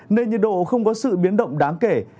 nên nhiệt độ không có sự biến động đáng kể